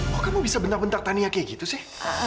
wah kamu bisa bentak bentak tania kayak gitu sih